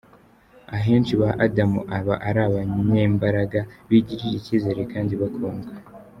Akenshi ba Adam aba ari abanyembaraga, bigirira icyizere kandi bakundwa.